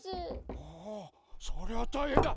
おおそれはたいへんだ！